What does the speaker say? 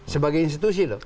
sebagai institusi loh